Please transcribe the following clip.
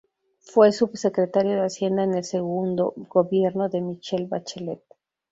Fue subsecretario de Hacienda en el segundo gobierno de Michelle Bachelet.